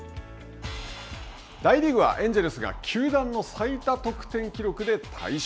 大リーグはエンジェルスが球団の最多得点記録で大勝。